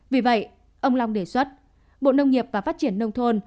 vì vậy ông long đề xuất bộ nông nghiệp và phát triển nông thôn